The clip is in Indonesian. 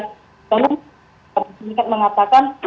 namun saya ingin mengatakan